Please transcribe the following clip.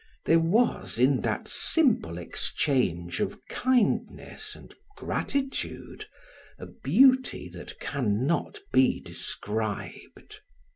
There was, in that simple exchange of kindness and gratitude, a beauty that can not be described.